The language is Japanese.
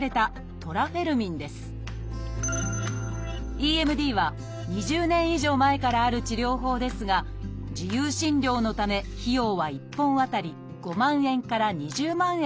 「ＥＭＤ」は２０年以上前からある治療法ですが自由診療のため費用は１本あたり５万円から２０万円